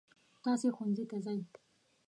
تاسې ښوونځي ته ځئ.